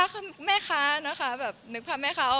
ใช้ส่วนของเจ้า